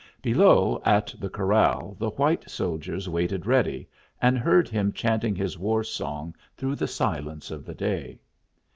Below at the corral the white soldiers waited ready, and heard him chanting his war song through the silence of the day.